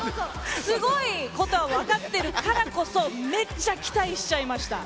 すごいことは分かってるからこそ、めっちゃ期待しちゃいました。